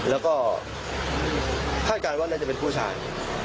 แล้วก็คาดการณ์ว่าน่าจะเป็นผู้ชาย